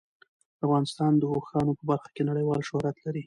افغانستان د اوښانو په برخه کې نړیوال شهرت لري.